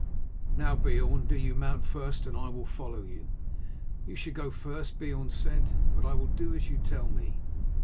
"Now, Beorn, do you mount first and I will follow you." "You should go first," Beorn said, "but I will do as you tell me."